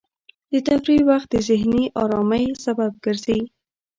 د تفریح وخت د ذهني ارامۍ سبب ګرځي.